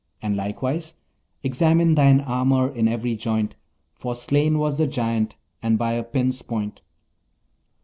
And likewise: "Examine thine armour in every joint, For slain was the Giant, and by a pin's point."